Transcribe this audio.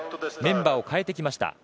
メンバーを代えてきました。